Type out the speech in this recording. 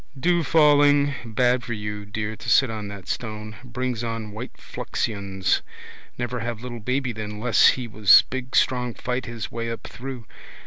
Dew falling. Bad for you, dear, to sit on that stone. Brings on white fluxions. Never have little baby then less he was big strong fight his way up through.